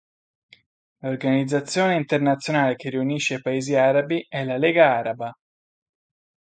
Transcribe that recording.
L'organizzazione internazionale che riunisce i Paesi arabi è la Lega Araba.